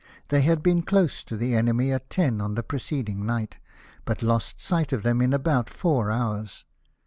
They had been close to the enemy at ten on the preceding night, but lost sight of them in about four hours.